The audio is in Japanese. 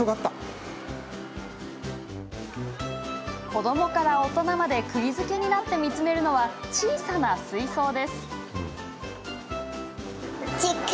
子どもから大人までくぎづけになって見つめるのは小さな水槽です。